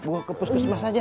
buang kepus kesmas aja